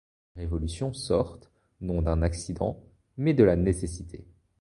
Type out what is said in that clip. Les révolutions sortent, non d'un accident, mais de la nécessité.